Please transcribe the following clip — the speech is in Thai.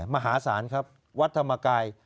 มหาศาลครับวัดธรรมกาย